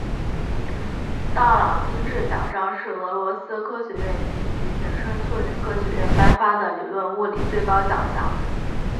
朗道金质奖章是俄罗斯科学院及其前身苏联科学院颁发的理论物理最高奖项。